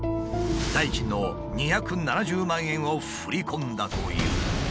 代金の２７０万円を振り込んだという。